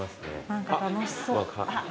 何か楽しそう。